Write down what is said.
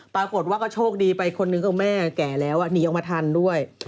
ปรากฏว่าก็โชคดีไปคนนึงก็แม่แก่แล้วหนีออกมาทันด้วย